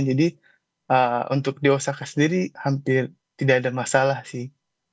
jadi untuk di osaka sendiri hampir tidak ada masalah sih